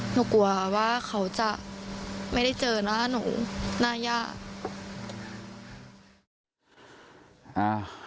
หนูกลัวว่าเขาจะไม่ได้เจอหน้าหนูหน้าย่า